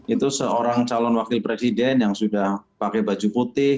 itu seorang calon wakil presiden yang sudah pakai baju putih